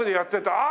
ああ！